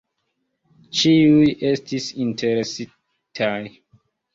Ĉiuj estis interesitaj.